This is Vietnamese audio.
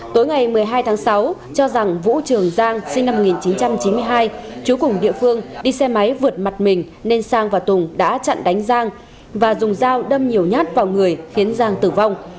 tối ngày một mươi hai tháng sáu cho rằng vũ trường giang sinh năm một nghìn chín trăm chín mươi hai chú cùng địa phương đi xe máy vượt mặt mình nên sang và tùng đã chặn đánh giang và dùng dao đâm nhiều nhát vào người khiến giang tử vong